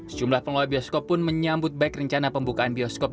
sejumlah pengelola bioskop pun menyambut baik rencana pembukaan bioskop